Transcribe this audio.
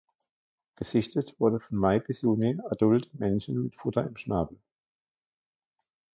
Gesichtet wurden vom Mai bis Juli adulte Männchen mit Futter im Schnabel.